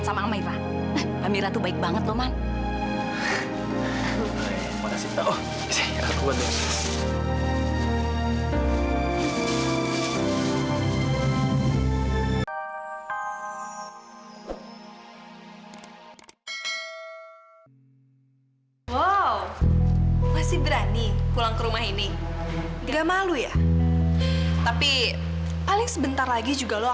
sampai jumpa di video selanjutnya